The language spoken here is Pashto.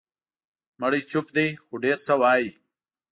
مړی چوپ دی، خو ډېر څه وایي.